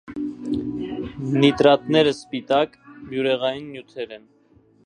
Նիտրատները սպիտակ, բյուրեղային նյութեր են։